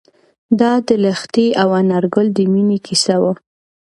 دا د لښتې او انارګل د مینې کیسه وه.